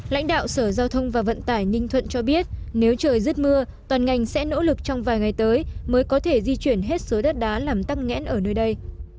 lãnh đạo sở giao thông và vận tải ninh thuận cho biết nếu trời dứt mưa toàn ngành sẽ nỗ lực trong vài ngày tới mới có thể di chuyển hết số đất đá làm tắc nghẽn ở nơi đây